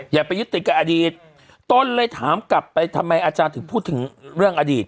อย่าไปยึดติดกับอดีตต้นเลยถามกลับไปทำไมอาจารย์ถึงพูดถึงเรื่องอดีต